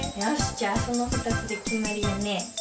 じゃあそのふたつできまりだね。